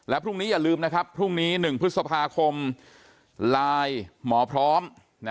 พรุ่งนี้อย่าลืมนะครับพรุ่งนี้๑พฤษภาคมไลน์หมอพร้อม